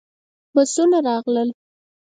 بسونه راغلل.